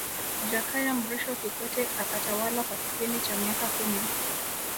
Jakaya Mrisho Kikwete akatawala kwa kipindi cha miaka kumi